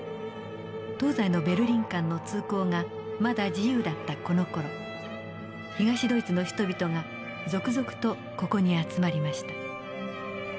東西のベルリン間の通行がまだ自由だったこのころ東ドイツの人々が続々とここに集まりました。